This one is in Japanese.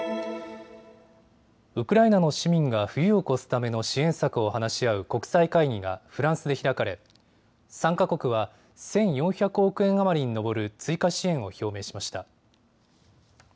ウクライナの市民が冬を越すための支援策を話し合う国際会議がフランスで開かれ参加国は１４００億円余りに上る追加支援を表明しました。